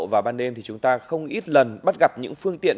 vào ban đêm thì chúng ta không ít lần bắt gặp những phương tiện